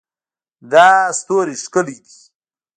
دا ستوری ښکلی ده